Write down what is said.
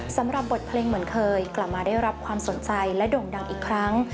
สำหรับบทเพลงเหมือนเคยกลับมาได้รับความสนใจและโด่งดังอีกครั้ง